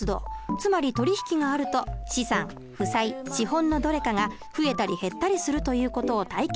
つまり取り引きがあると資産負債資本のどれかが増えたり減ったりするという事を体験してもらうためのものです。